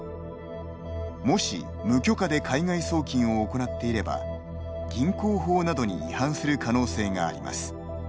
もし無許可で海外送金を行っていれば銀行法などに違反する可能性があります。